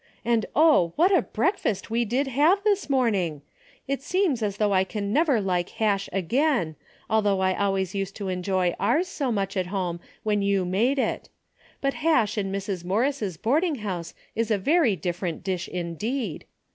And oh, what a breakfast we did have this morning ! It seems as though I never can like hash again, though I always used to enjoy ours so much at home when you made it. But hash in Mrs. Morris' boarding house is a very different dish indeed.